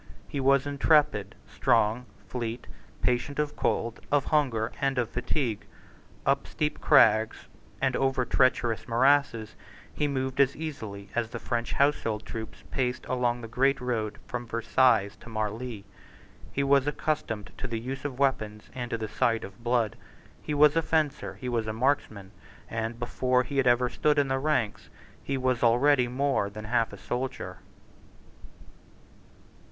He was intrepid, strong, fleet, patient of cold, of hunger, and of fatigue. Up steep crags, and over treacherous morasses, he moved as easily as the French household troops paced along the great road from Versailles to Marli. He was accustomed to the use of weapons and to the sight of blood: he was a fencer; he was a marksman; and, before he had ever stood in the ranks, he was already more than half a soldier.